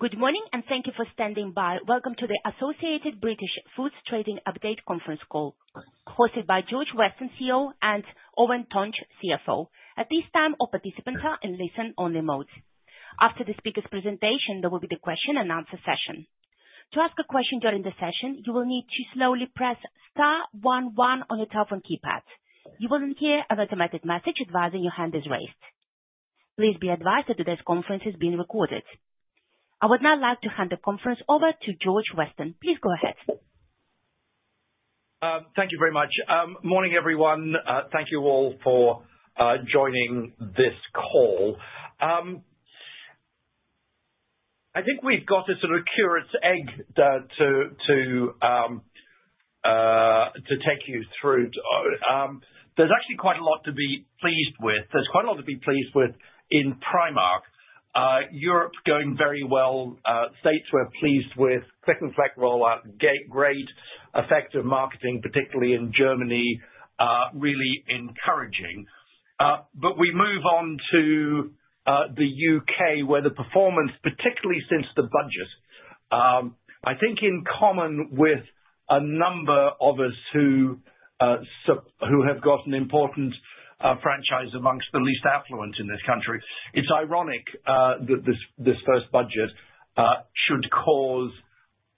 Good morning, and thank you for standing by. Welcome to the Associated British Foods trading update conference call, hosted by George Weston, CEO, and Eoin Tonge, CFO. At this time, all participants are in listen-only mode. After the speaker's presentation, there will be the question-and-answer session. To ask a question during the session, you will need to slowly press star one one on your telephone keypad. You will then hear an automated message advising your hand is raised. Please be advised that today's conference is being recorded. I would now like to hand the conference over to George Weston. Please go ahead. Thank you very much. Morning, everyone. Thank you all for joining this call. I think we've got a sort of curate's egg to take you through. There's actually quite a lot to be pleased with. There's quite a lot to be pleased with in Primark. Europe's going very well. States, we're pleased with store fleet rollout, great effective marketing, particularly in Germany, really encouraging. But we move on to the U.K., where the performance, particularly since the Budget, I think in common with a number of us who have got an important franchise amongst the least affluent in this country. It's ironic that this first Budget should cause,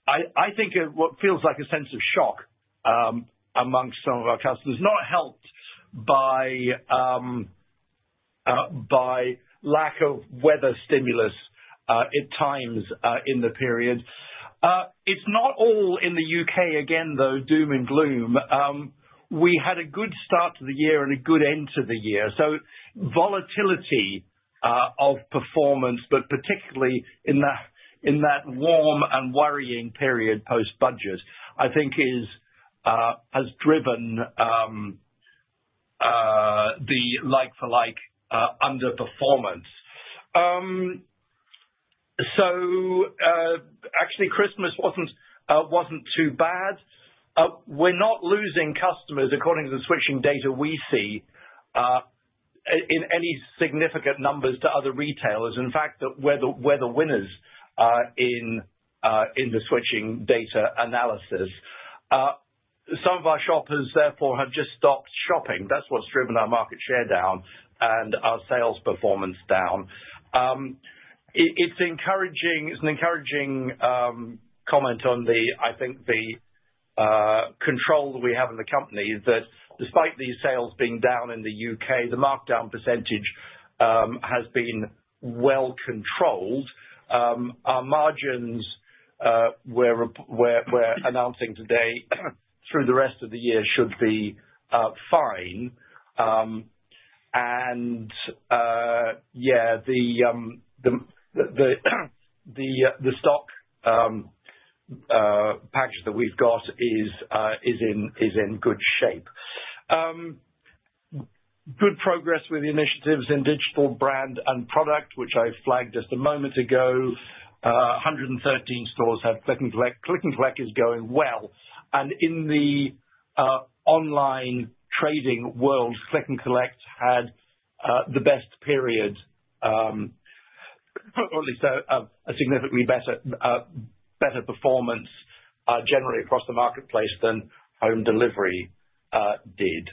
I think, what feels like a sense of shock amongst some of our customers, not helped by lack of weather stimulus at times in the period. It's not all in the U.K., again, though, doom and gloom. We had a good start to the year and a good end to the year. So volatility of performance, but particularly in that warm and worrying period post-Budget, I think has driven the like-for-like underperformance. So actually, Christmas wasn't too bad. We're not losing customers, according to the switching data we see, in any significant numbers to other retailers. In fact, we're the winners in the switching data analysis. Some of our shoppers, therefore, have just stopped shopping. That's what's driven our market share down and our sales performance down. It's an encouraging comment on, I think, the control that we have in the company that despite these sales being down in the U.K., the markdown percentage has been well controlled. Our margins we're announcing today through the rest of the year should be fine. And yeah, the stock package that we've got is in good shape. Good progress with initiatives in digital brand and product, which I flagged just a moment ago. 113 stores have Click & Collect. Click & Collect is going well, and in the online trading world, Click & Collect had the best period, probably a significantly better performance generally across the marketplace than home delivery did.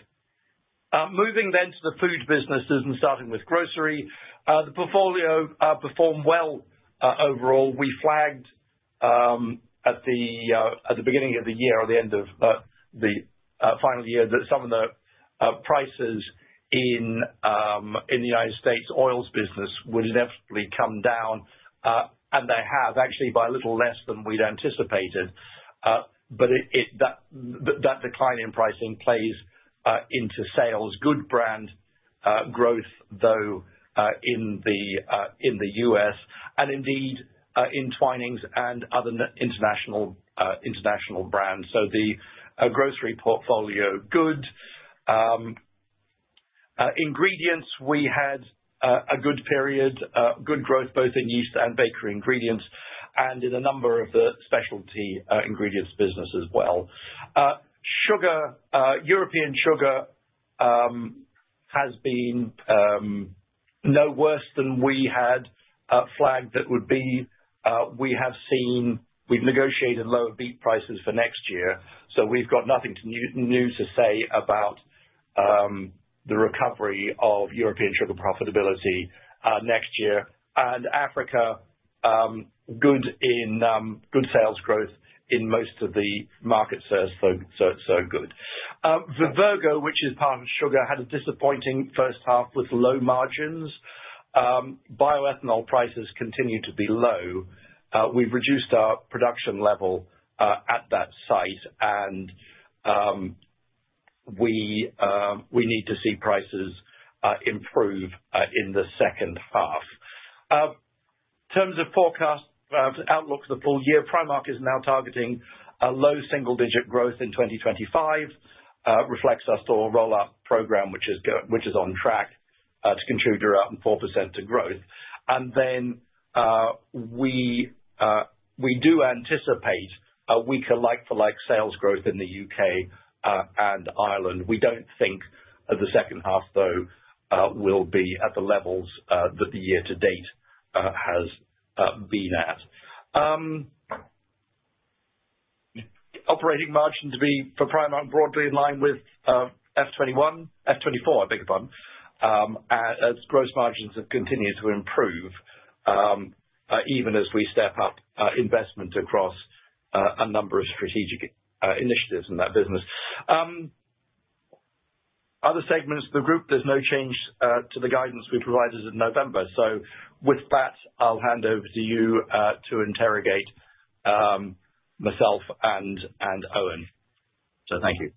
Moving then to the food businesses and starting with grocery, the portfolio performed well overall. We flagged at the beginning of the year or the end of the final year that some of the prices in the United States oils business would inevitably come down, and they have actually by a little less than we'd anticipated, but that decline in pricing plays into sales. Good brand growth, though, in the U.S., and indeed in Twinings and other international brands. So the grocery portfolio good. Ingredients. We had a good period, good growth both in yeast and bakery ingredients and in a number of the specialty ingredients business as well. Sugar. European sugar has been no worse than we had flagged that would be. We've negotiated lower beet prices for next year. So we've got nothing new to say about the recovery of European sugar profitability next year. Africa. Good sales growth in most of the markets, so good. Vivergo, which is part of sugar, had a disappointing first half with low margins. Bioethanol prices continue to be low. We've reduced our production level at that site, and we need to see prices improve in the second half. In terms of forecast outlook for the full year, Primark is now targeting a low single-digit growth in 2025. Reflects our store rollout program, which is on track to contribute around 4% to growth. We do anticipate a weaker like-for-like sales growth in the U.K. and Ireland. We don't think the second half, though, will be at the levels that the year to date has been at. Operating margin for Primark to be broadly in line with FY 2021, FY 2024, I beg your pardon, as gross margins have continued to improve even as we step up investment across a number of strategic initiatives in that business. Other segments of the group, there's no change to the guidance we provided in November. With that, I'll hand over to you to interrogate myself and Eoin. Thank you.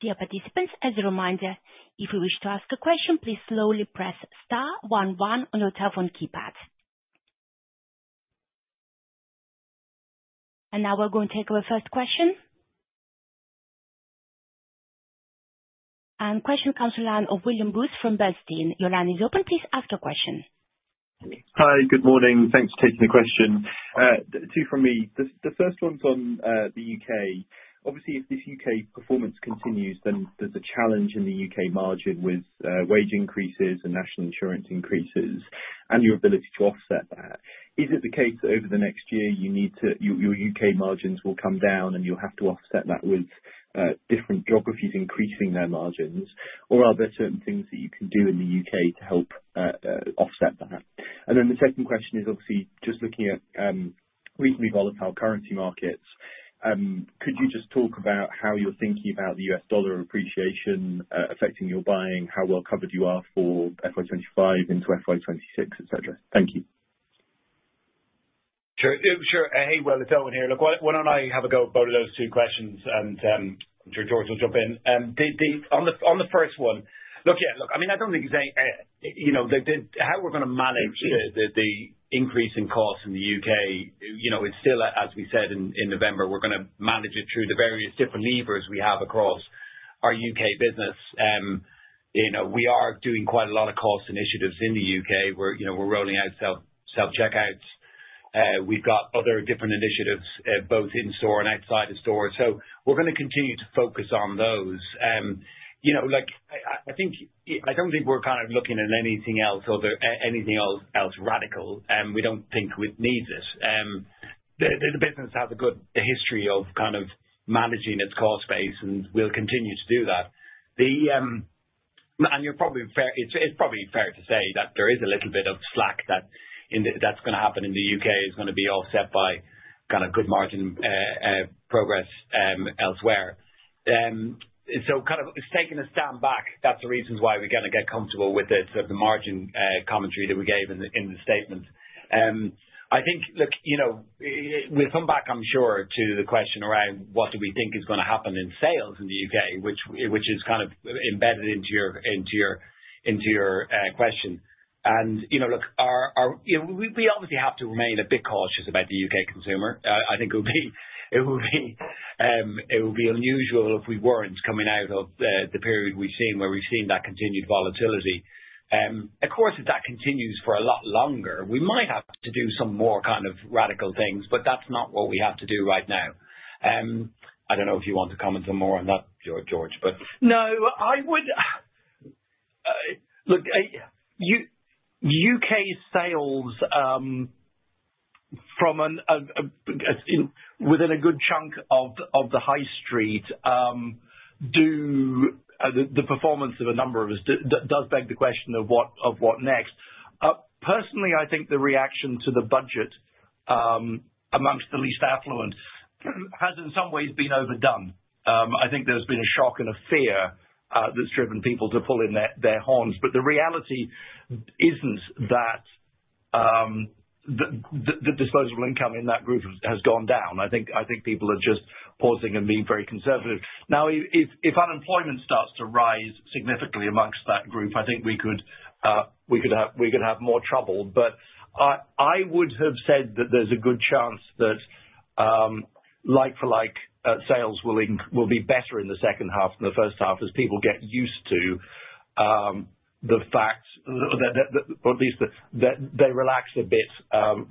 Dear participants, as a reminder, if you wish to ask a question, please slowly press star one one on your telephone keypad. And now we're going to take our first question. And question comes from line of William Woods from Bernstein. Your line is open. Please ask your question. Hi, good morning. Thanks for taking the question. Two from me. The first one's on the U.K. Obviously, if this U.K. performance continues, then there's a challenge in the U.K. margin with wage increases and National Insurance increases and your ability to offset that. Is it the case that over the next year your U.K. margins will come down and you'll have to offset that with different geographies increasing their margins? Or are there certain things that you can do in the U.K. to help offset that? And then the second question is obviously just looking at reasonably volatile currency markets. Could you just talk about how you're thinking about the U.S. dollar appreciation affecting your buying, how well covered you are for FY 2025 into FY 2026, etc.? Thank you. Sure. Hey, Will, it's Eoin here. Look, why don't I have a go at both of those two questions, and I'm sure George will jump in. On the first one, look, yeah, look, I mean, I don't think it's how we're going to manage the increase in costs in the U.K.. It's still, as we said in November, we're going to manage it through the various different levers we have across our U.K. business. We are doing quite a lot of cost initiatives in the U.K.. We're rolling out self-checkouts. We've got other different initiatives both in-store and outside of store. So we're going to continue to focus on those. I don't think we're kind of looking at anything else or anything else radical. We don't think we need this. The business has a good history of kind of managing its cost base and will continue to do that. It's probably fair to say that there is a little bit of slack that's going to happen in the U.K. is going to be offset by kind of good margin progress elsewhere. Kind of taking a step back, that's the reasons why we're going to get comfortable with the margin commentary that we gave in the statement. I think, look, we'll come back, I'm sure, to the question around what do we think is going to happen in sales in the U.K., which is kind of embedded into your question. Look, we obviously have to remain a bit cautious about the U.K. consumer. I think it would be unusual if we weren't coming out of the period we've seen where we've seen that continued volatility. Of course, if that continues for a lot longer, we might have to do some more kind of radical things, but that's not what we have to do right now. I don't know if you want to comment on more on that, George, but. No, I would look. U.K. sales within a good chunk of the high street do. The performance of a number of us does beg the question of what next. Personally, I think the reaction to the Budget among the least affluent has in some ways been overdone. I think there's been a shock and a fear that's driven people to pull in their horns, but the reality isn't that the disposable income in that group has gone down. I think people are just pausing and being very conservative. Now, if unemployment starts to rise significantly among that group, I think we could have more trouble, but I would have said that there's a good chance that like-for-like sales will be better in the second half than the first half as people get used to the fact, or at least that they relax a bit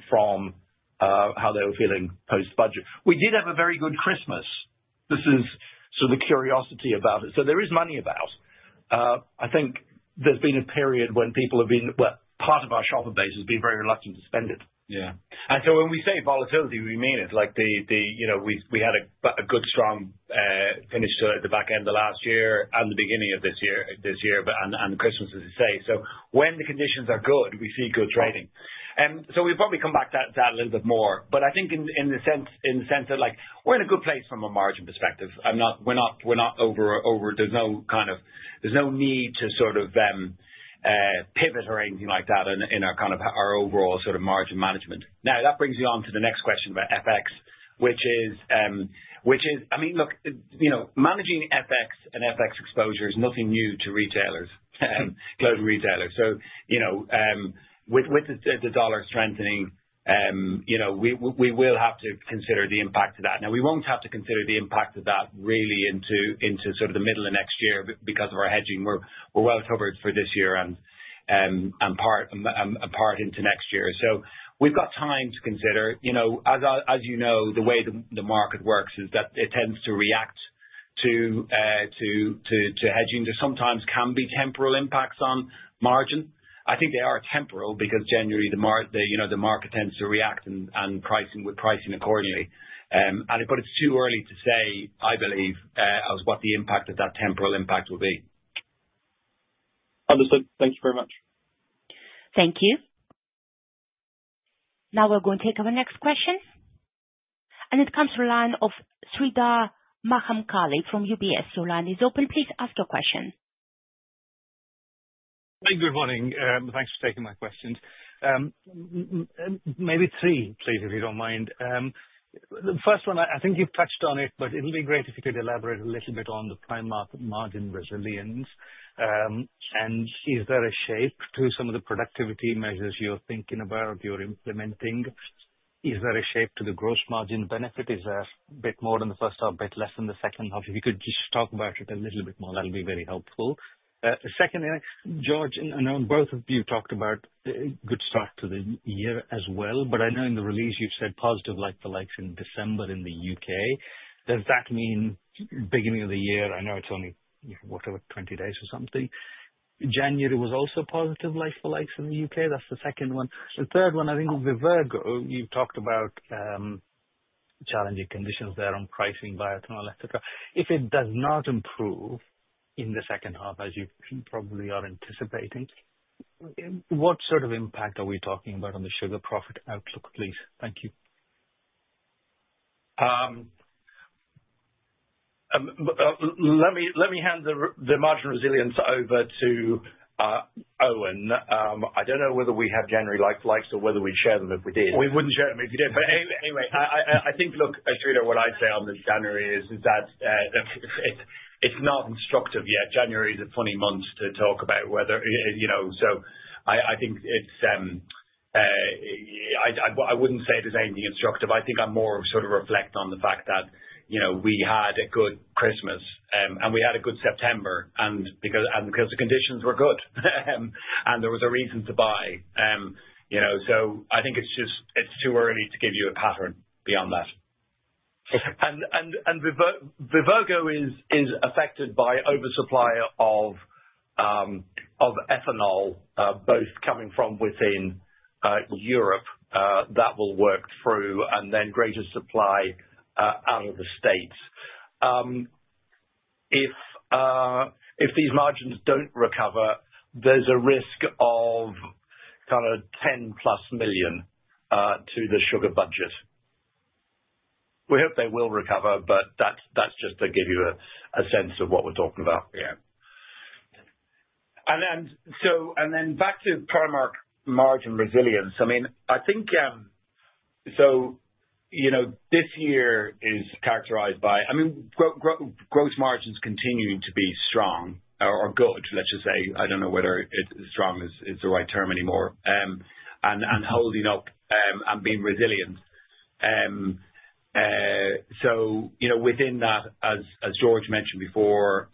from how they were feeling post-Budget. We did have a very good Christmas. This is sort of the curiosity about it. So there is money about. I think there's been a period when people have been part of our shopper base has been very reluctant to spend it. Yeah. And so when we say volatility, we mean it. We had a good strong finish to it at the back end of last year and the beginning of this year and Christmas, as you say. So when the conditions are good, we see good trading. So we'll probably come back to that a little bit more. But I think in the sense that we're in a good place from a margin perspective. We're not over. There's no kind of need to sort of pivot or anything like that in our kind of overall sort of margin management. Now, that brings you on to the next question about FX, which is, I mean, look, managing FX and FX exposure is nothing new to retailers, global retailers. So with the dollar strengthening, we will have to consider the impact of that. Now, we won't have to consider the impact of that really into sort of the middle of next year because of our hedging. We're well covered for this year and part into next year. So we've got time to consider. As you know, the way the market works is that it tends to react to hedging. There sometimes can be temporal impacts on margin. I think they are temporal because generally the market tends to react with pricing accordingly. But it's too early to say, I believe, what the impact of that temporal impact will be. Understood. Thank you very much. Thank you. Now we're going to take our next question. And it comes from line of Sreedhar Mahamkali from UBS. Your line is open. Please ask your question. Hey, good morning. Thanks for taking my questions. Maybe three, please, if you don't mind. The first one, I think you've touched on it, but it'll be great if you could elaborate a little bit on the Primark margin resilience. And is there a shape to some of the productivity measures you're thinking about, you're implementing? Is there a shape to the gross margin benefit? Is there a bit more in the first half, a bit less in the second half? If you could just talk about it a little bit more, that'll be very helpful. The second, George, I know both of you talked about good start to the year as well, but I know in the release you've said positive like-for-likes in December in the U.K. Does that mean beginning of the year? I know it's only, whatever, 20 days or something. January was also positive like-for-likes in the U.K. That's the second one. The third one, I think with Vivergo, you've talked about challenging conditions there on pricing, bioethanol, etc. If it does not improve in the second half, as you probably are anticipating, what sort of impact are we talking about on the sugar profit outlook, please? Thank you. Let me hand the margin resilience over to Eoin. I don't know whether we have January like-for-likes or whether we'd share them if we did? We wouldn't share them if you did. But anyway, I think, look, Sreedhar, what I'd say on this January is that it's not instructive yet. January is a funny month to talk about whether, so I think it's. I wouldn't say it is anything instructive. I think I more sort of reflect on the fact that we had a good Christmas and we had a good September because the conditions were good and there was a reason to buy. So I think it's too early to give you a pattern beyond that. Vivergo is affected by oversupply of ethanol, both coming from within Europe that will work through and then greater supply out of the States. If these margins don't recover, there's a risk of kind of 10+ million to the sugar budget. We hope they will recover, but that's just to give you a sense of what we're talking about. Yeah. Then back to Primark margin resilience. I mean, I think so this year is characterized by, I mean, gross margins continuing to be strong or good, let's just say. I don't know whether strong is the right term anymore and holding up and being resilient. Within that, as George mentioned before,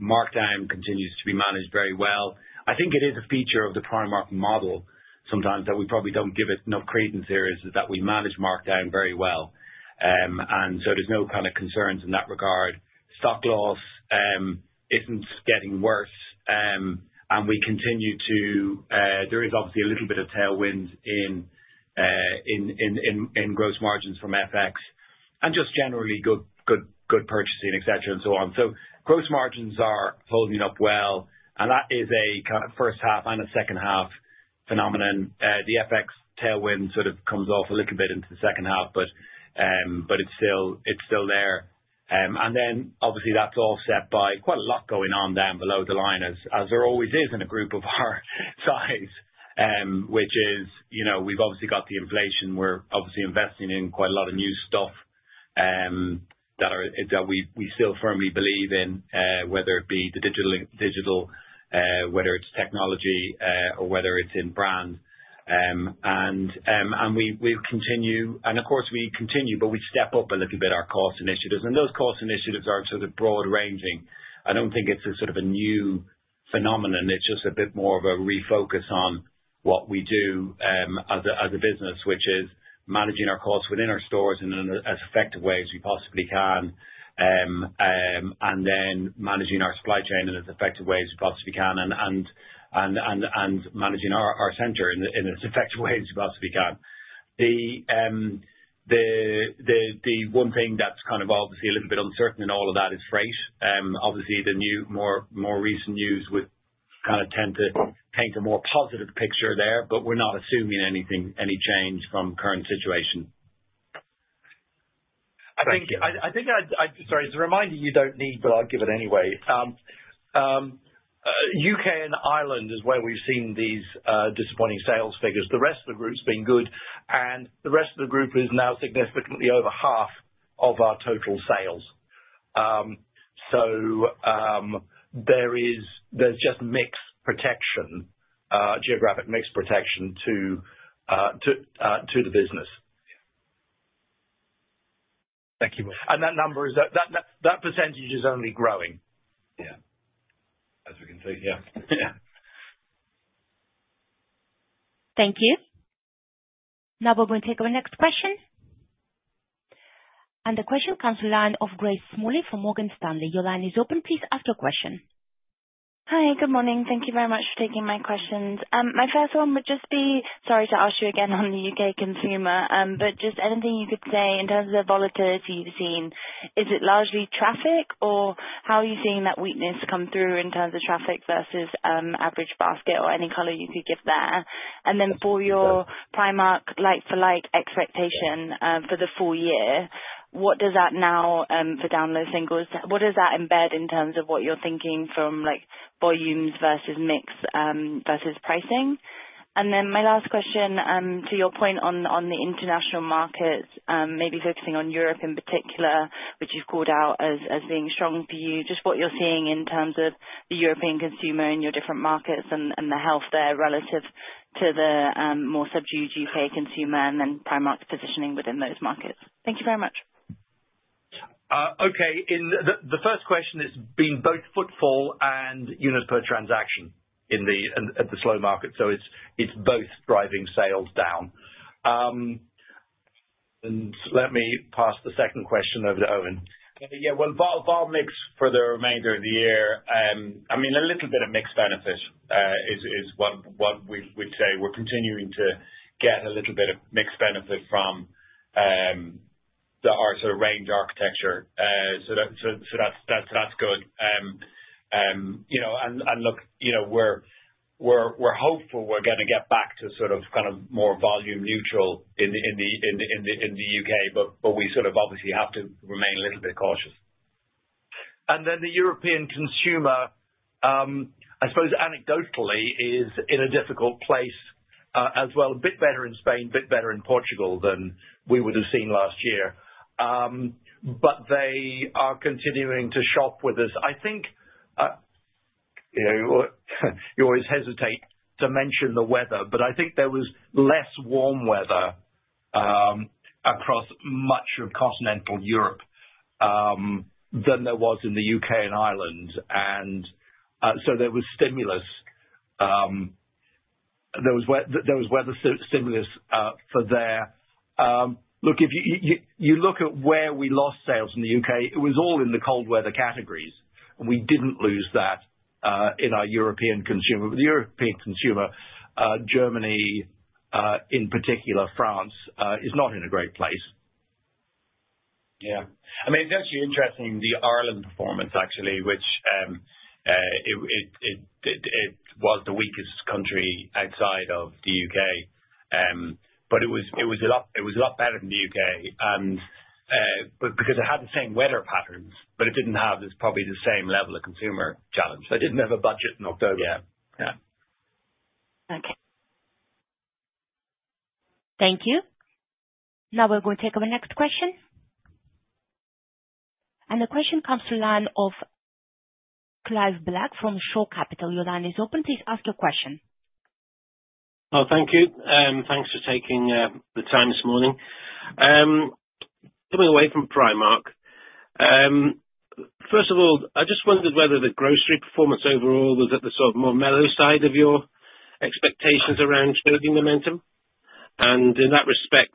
markdown continues to be managed very well. I think it is a feature of the Primark model sometimes that we probably don't give it enough credence here is that we manage markdown very well. There's no kind of concerns in that regard. Stock loss isn't getting worse. We continue. There is obviously a little bit of tailwind in gross margins from FX and just generally good purchasing, etc., and so on. Gross margins are holding up well. That is a kind of first half and a second half phenomenon. The FX tailwind sort of comes off a little bit into the second half, but it's still there. And then obviously, that's offset by quite a lot going on down below the line as there always is in a group of our size, which is we've obviously got the inflation. We're obviously investing in quite a lot of new stuff that we still firmly believe in, whether it be the digital, whether it's technology, or whether it's in brand. And we continue, and of course, we continue, but we step up a little bit our cost initiatives. And those cost initiatives are sort of broad ranging. I don't think it's a sort of a new phenomenon. It's just a bit more of a refocus on what we do as a business, which is managing our costs within our stores in as effective ways we possibly can, and then managing our supply chain in as effective ways we possibly can, and managing our center in as effective ways we possibly can. The one thing that's kind of obviously a little bit uncertain in all of that is freight. Obviously, the more recent news would kind of tend to paint a more positive picture there, but we're not assuming any change from current situation. I think, sorry, it's a reminder you don't need, but I'll give it anyway. The U.K. and Ireland is where we've seen these disappointing sales figures. The rest of the group's been good, and the rest of the group is now significantly over half of our total sales. So there's just mixed protection, geographic mixed protection to the business. Thank you. That number, that percentage, is only growing. Yeah. As we can see. Yeah. Thank you. Now we're going to take our next question. And the question comes from the line of Grace Smalley from Morgan Stanley. Your line is open. Please ask your question. Hi, good morning. Thank you very much for taking my questions. My first one would just be sorry to ask you again on the U.K. consumer, but just anything you could say in terms of volatility you've seen. Is it largely traffic, or how are you seeing that weakness come through in terms of traffic versus average basket or any color you could give there? And then for your Primark like-for-like expectation for the full year, what does that now look like? What does that embed in terms of what you're thinking from volumes versus mix versus pricing? My last question to your point on the international markets, maybe focusing on Europe in particular, which you've called out as being strong for you, just what you're seeing in terms of the European consumer in your different markets and the health there relative to the more subdued U.K. consumer and then Primark's positioning within those markets? Thank you very much. Okay. The first question has been both footfall and unit per transaction at the slow market. So it's both driving sales down. And let me pass the second question over to Eoin. Yeah. Well, volumes for the remainder of the year. I mean, a little bit of mixed benefit is what we'd say. We're continuing to get a little bit of mixed benefit from the range architecture. So that's good. And look, we're hopeful we're going to get back to sort of kind of more volume neutral in the U.K., but we sort of obviously have to remain a little bit cautious. And then the European consumer, I suppose anecdotally, is in a difficult place as well. A bit better in Spain, a bit better in Portugal than we would have seen last year. But they are continuing to shop with us. I think you always hesitate to mention the weather, but I think there was less warm weather across much of continental Europe than there was in the U.K. and Ireland. And so there was stimulus. There was weather stimulus for there. Look, if you look at where we lost sales in the U.K., it was all in the cold weather categories. We didn't lose that in our European consumer. But the European consumer, Germany in particular, France, is not in a great place. Yeah. I mean, it's actually interesting, the Ireland performance actually, which it was the weakest country outside of the U.K.. But it was a lot better than the U.K. because it had the same weather patterns, but it didn't have probably the same level of consumer challenge. They didn't have a budget in October. Yeah. Okay. Thank you. Now we're going to take our next question. And the question comes from the line of Clive Black from Shore Capital. Your line is open. Please ask your question. Oh, thank you. Thanks for taking the time this morning. Coming away from Primark, first of all, I just wondered whether the grocery performance overall was at the sort of more mellow side of your expectations around staging momentum. In that respect,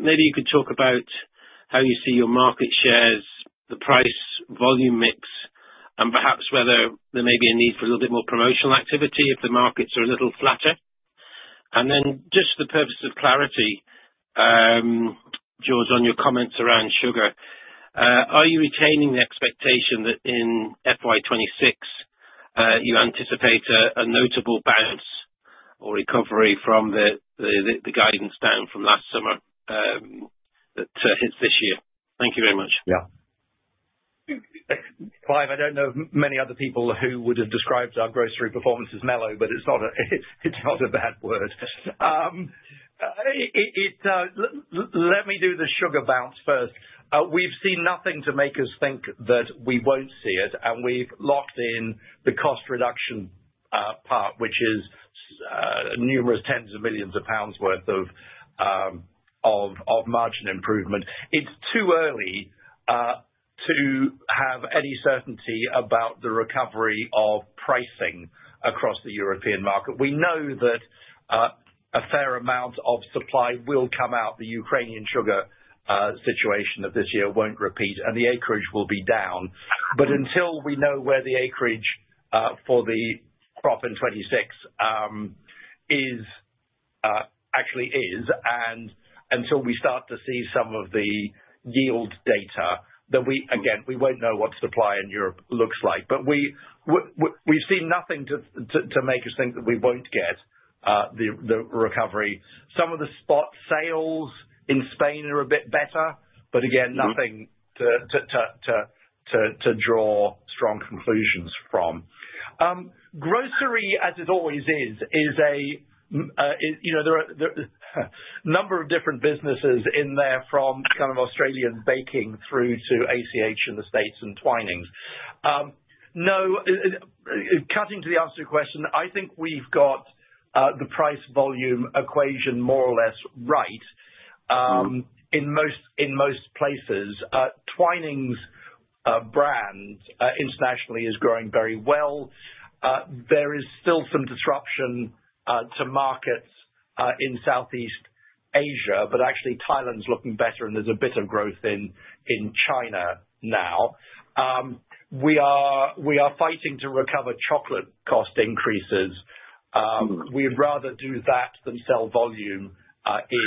maybe you could talk about how you see your market shares, the price volume mix, and perhaps whether there may be a need for a little bit more promotional activity if the markets are a little flatter. Then just for the purpose of clarity, George, on your comments around sugar, are you retaining the expectation that in FY 2026 you anticipate a notable bounce or recovery from the guidance down from last summer that hits this year? Thank you very much. Yeah. Clive, I don't know many other people who would have described our grocery performance as mellow, but it's not a bad word. Let me do the sugar bounce first. We've seen nothing to make us think that we won't see it, and we've locked in the cost reduction part, which is numerous tens of millions of pounds worth of margin improvement. It's too early to have any certainty about the recovery of pricing across the European market. We know that a fair amount of supply will come out. The Ukrainian sugar situation of this year won't repeat, and the acreage will be down. But until we know where the acreage for the crop in 2026 actually is, and until we start to see some of the yield data, again, we won't know what supply in Europe looks like. But we've seen nothing to make us think that we won't get the recovery. Some of the spot sales in Spain are a bit better, but again, nothing to draw strong conclusions from. Grocery, as it always is, is a number of different businesses in there from kind of Australian baking through to ACH in the States and Twinings. Cutting to the answer to your question, I think we've got the price volume equation more or less right in most places. Twinings brand internationally is growing very well. There is still some disruption to markets in Southeast Asia, but actually Thailand's looking better, and there's a bit of growth in China now. We are fighting to recover chocolate cost increases. We'd rather do that than sell volume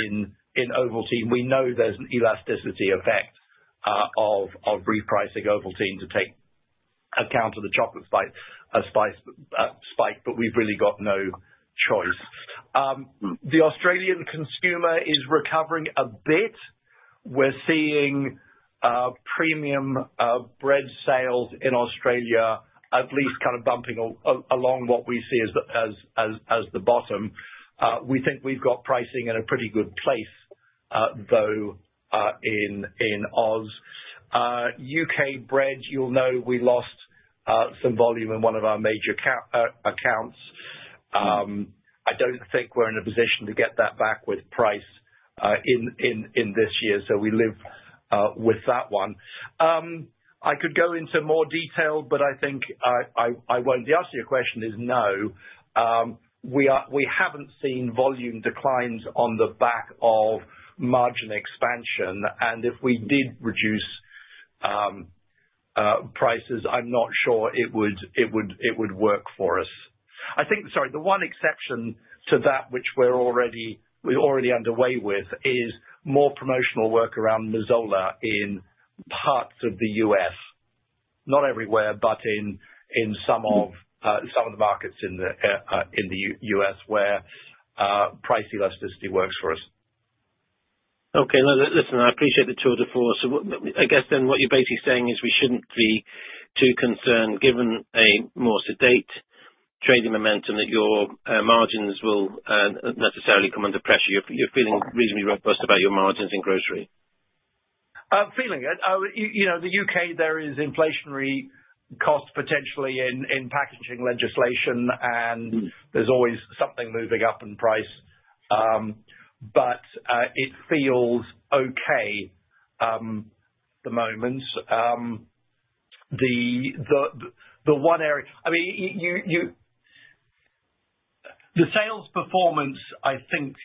in Ovaltine. We know there's an elasticity effect of repricing Ovaltine to take account of the chocolate spike, but we've really got no choice. The Australian consumer is recovering a bit. We're seeing premium bread sales in Australia at least kind of bumping along what we see as the bottom. We think we've got pricing in a pretty good place, though, in Oz. U.K. bread, you'll know we lost some volume in one of our major accounts. I don't think we're in a position to get that back with price in this year. So we live with that one. I could go into more detail, but I think I won't. The answer to your question is no. We haven't seen volume declines on the back of margin expansion. And if we did reduce prices, I'm not sure it would work for us. I think, sorry, the one exception to that, which we're already underway with, is more promotional work around Mazola in parts of the U.S. Not everywhere, but in some of the markets in the U.S. where price elasticity works for us. Okay. Listen, I appreciate the tour de force. I guess then what you're basically saying is we shouldn't be too concerned given a more sedate trading momentum that your margins will necessarily come under pressure. You're feeling reasonably robust about your margins in grocery? Feeling it. The U.K., there is inflationary cost potentially in packaging legislation, and there's always something moving up in price. But it feels okay at the moment. The one area I mean, the sales performance, I think,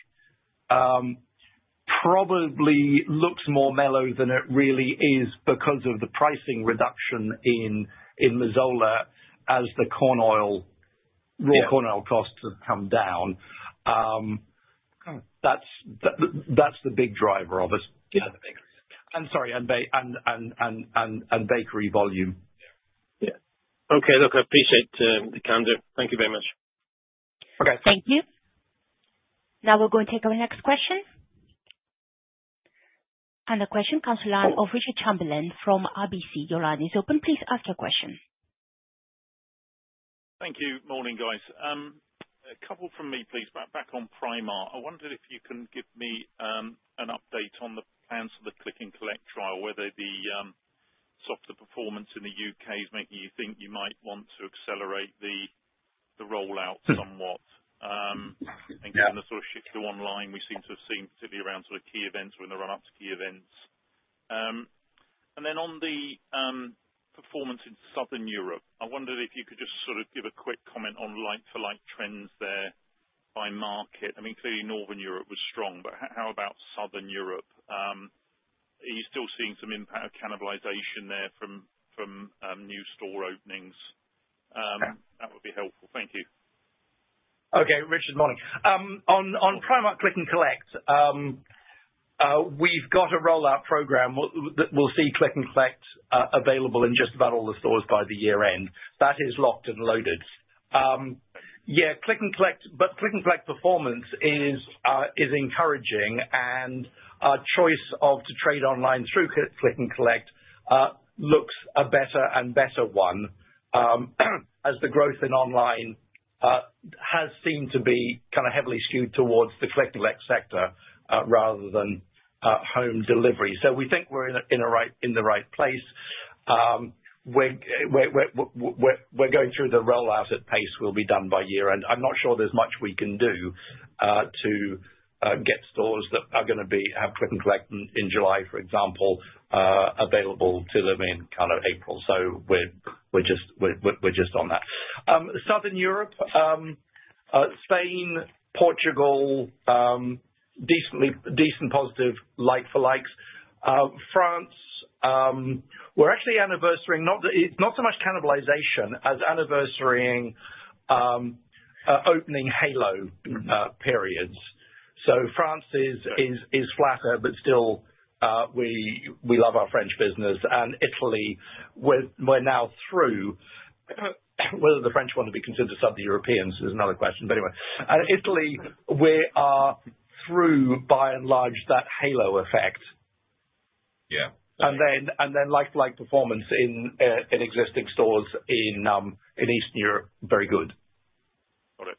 probably looks more mellow than it really is because of the pricing reduction in Mazola as the raw corn oil costs have come down. That's the big driver of it. Yeah. And sorry, and bakery volume. Yeah. Okay. Look, I appreciate the color. Thank you very much. Okay. Thank you. Now we're going to take our next question. And the question comes from the line of Richard Chamberlain from RBC. Your line is open. Please ask your question. Thank you. Morning, guys. A couple from me, please. Back on Primark, I wondered if you can give me an update on the plans for the Click & Collect trial, whether the software performance in the U.K. is making you think you might want to accelerate the rollout somewhat, and kind of sort of shift to online. We seem to have seen particularly around sort of key events or in the run-up to key events. And then on the performance in Southern Europe, I wondered if you could just sort of give a quick comment on like-for-like trends there by market. I mean, clearly Northern Europe was strong, but how about Southern Europe? Are you still seeing some impact of cannibalization there from new store openings? That would be helpful. Thank you. Okay. Richard, morning. On Primark, Click & Collect, we've got a rollout program. We'll see Click & Collect available in just about all the stores by the year-end. That is locked and loaded. Yeah. But Click & Collect performance is encouraging, and our choice to trade online through Click & Collect looks a better and better one as the growth in online has seemed to be kind of heavily skewed towards the Click & Collect sector rather than home delivery. So we think we're in the right place. We're going through the rollout at pace, will be done by year. I'm not sure there's much we can do to get stores that are going to have Click & Collect in July, for example, available till then in kind of April. So we're just on that. Southern Europe, Spain, Portugal, decent positive like-for-likes. France, we're actually anniversarying. It's not so much cannibalization as anniversarying opening halo periods. So France is flatter, but still, we love our French business. And Italy, we're now through. Whether the French want to be considered Southern Europeans is another question. But anyway, Italy, we are through by and large that halo effect. And then like-for-like performance in existing stores in Eastern Europe very good. Got it.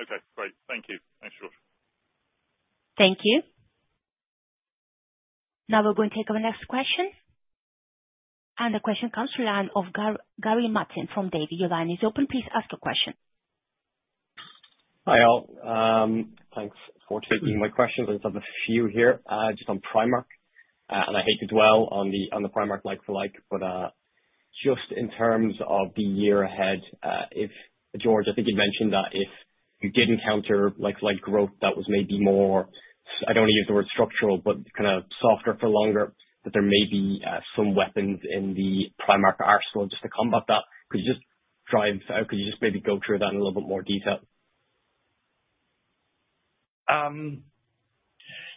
Okay. Great. Thank you. Thanks, George. Thank you. Now we're going to take our next question, and the question comes from line of Gary Martin from Davy. Your line is open. Please ask your question. Hi, all. Thanks for taking my questions. I just have a few here just on Primark. And I hate to dwell on the Primark like-for-like, but just in terms of the year ahead, George, I think you'd mentioned that if you did encounter like-for-like growth that was maybe more - I don't want to use the word structural, but kind of softer for longer - that there may be some weapons in the Primark arsenal just to combat that. Could you just drive out? Could you just maybe go through that in a little bit more detail?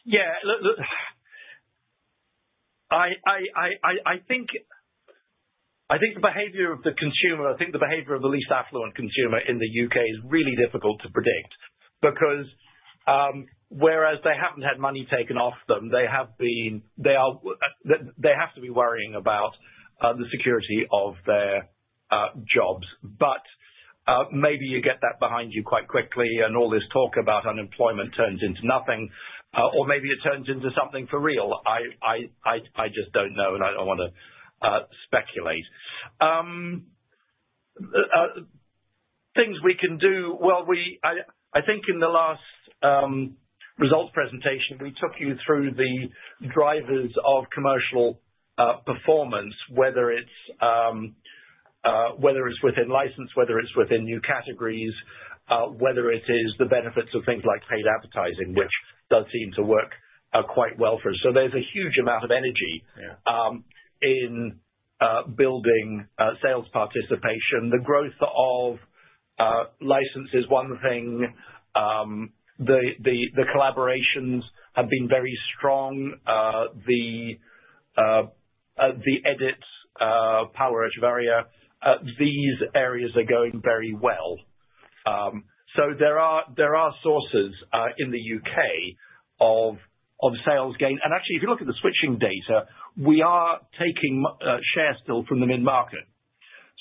Yeah. Look, I think the behavior of the consumer, I think the behavior of the least affluent consumer in the U.K. is really difficult to predict because whereas they haven't had money taken off them, they have to be worrying about the security of their jobs. But maybe you get that behind you quite quickly, and all this talk about unemployment turns into nothing, or maybe it turns into something for real. I just don't know, and I don't want to speculate. Things we can do. I think in the last results presentation, we took you through the drivers of commercial performance, whether it's within license, whether it's within new categories, whether it is the benefits of things like paid advertising, which does seem to work quite well for us. So there's a huge amount of energy in building sales participation. The growth of license is one thing. The collaborations have been very strong. The edits, Paula Echevarría, these areas are going very well. So there are sources in the U.K. of sales gain. And actually, if you look at the switching data, we are taking share still from the mid-market.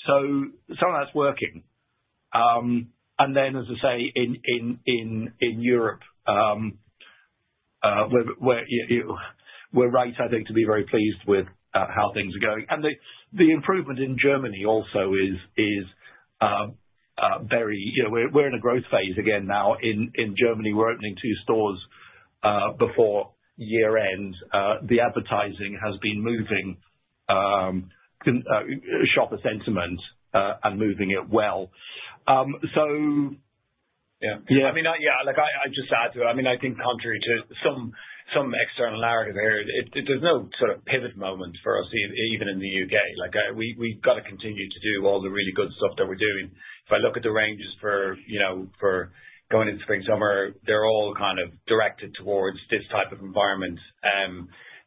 So some of that's working. And then, as I say, in Europe, we're right, I think, to be very pleased with how things are going. And the improvement in Germany also is very. We're in a growth phase again now in Germany. We're opening two stores before year-end. The advertising has been moving shopper sentiment and moving it well. So yeah. I mean, yeah, I just add to it. I mean, I think contrary to some external narrative here, there's no sort of pivot moment for us even in the U.K.. We've got to continue to do all the really good stuff that we're doing. If I look at the ranges for going into spring-summer, they're all kind of directed towards this type of environment,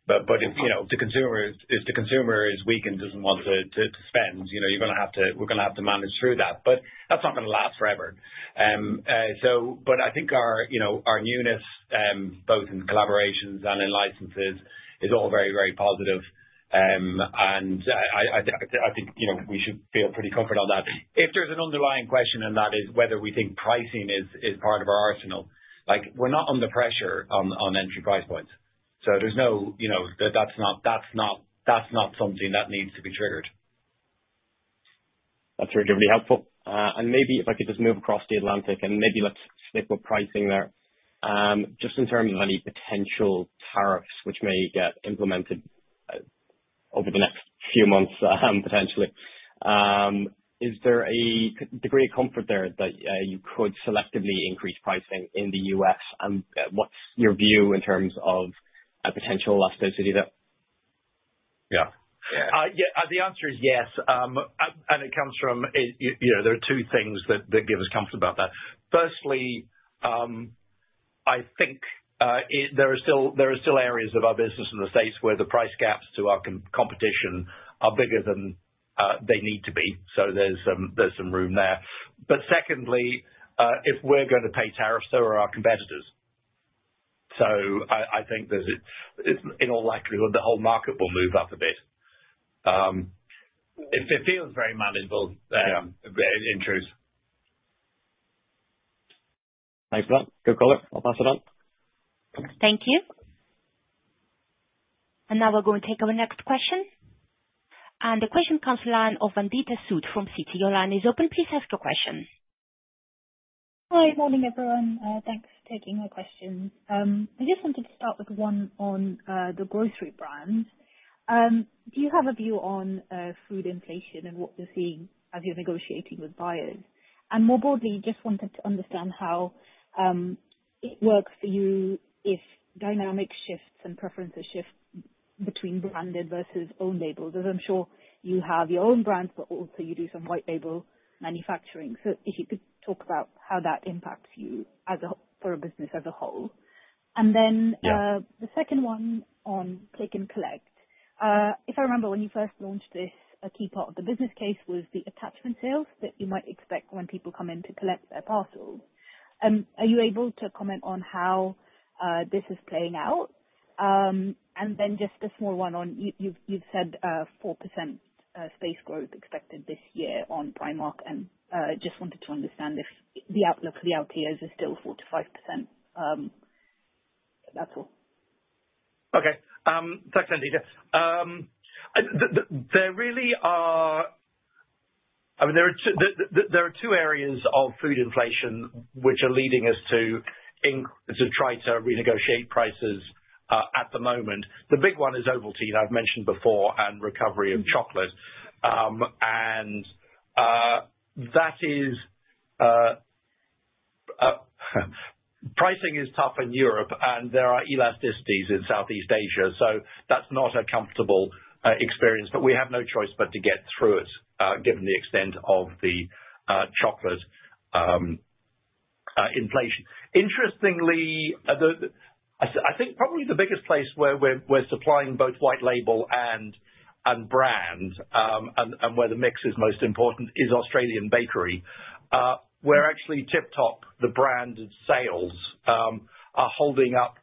but if the consumer is weak and doesn't want to spend, you're going to have to, we're going to have to manage through that, but that's not going to last forever, but I think our newness, both in collaborations and in licenses, is all very, very positive, and I think we should feel pretty comfortable on that. If there's an underlying question, and that is whether we think pricing is part of our arsenal, we're not under pressure on entry price points. So there's no, that's not something that needs to be triggered. That's really, really helpful. And maybe if I could just move across the Atlantic and maybe let's stick with pricing there. Just in terms of any potential tariffs which may get implemented over the next few months, potentially, is there a degree of comfort there that you could selectively increase pricing in the U.S.? And what's your view in terms of potential elasticity there? Yeah. Yeah. The answer is yes, and it comes from, there are two things that give us comfort about that. Firstly, I think there are still areas of our business in the States where the price gaps to our competition are bigger than they need to be. So there's some room there, but secondly, if we're going to pay tariffs, so are our competitors, so I think in all likelihood, the whole market will move up a bit. It feels very manageable in truth. Thanks for that. Good color. I'll pass it on. Thank you. And now we're going to take our next question. And the question comes from the line of Vandita Sood from Citi. Your line is open. Please ask your question. Hi, morning, everyone. Thanks for taking my question. I just wanted to start with one on the grocery brands. Do you have a view on food inflation and what you're seeing as you're negotiating with buyers? And more broadly, just wanted to understand how it works for you if dynamic shifts and preferences shift between branded versus own labels, as I'm sure you have your own brands, but also you do some white label manufacturing. So if you could talk about how that impacts you for a business as a whole. And then the second one on Click & Collect, if I remember when you first launched this, a key part of the business case was the attachment sales that you might expect when people come in to collect their parcel. Are you able to comment on how this is playing out? And then just a small one on, you've said 4% space growth expected this year on Primark, and just wanted to understand if the outlook for the outer years is still 4%-5%. That's all. Okay. Thanks, Vandita. There really are, I mean, there are two areas of food inflation which are leading us to try to renegotiate prices at the moment. The big one is Ovaltine. I've mentioned before, and recovery of chocolate. And that is, pricing is tough in Europe, and there are elasticities in Southeast Asia. So that's not a comfortable experience, but we have no choice but to get through it given the extent of the chocolate inflation. Interestingly, I think probably the biggest place where we're supplying both white label and brand, and where the mix is most important, is Australian bakery. Where actually, Tip Top, the branded sales are holding up